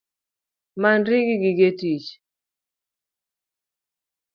Manri gi gige tich